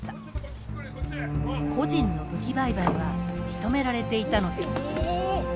個人の武器売買は認められていたのです。